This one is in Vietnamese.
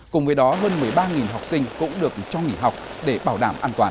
cùng với đó hơn một mươi ba học sinh cũng được cho nghỉ học để bảo đảm an toàn